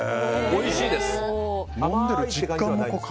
おいしいです。